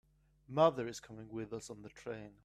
Mother is coming with us on the train.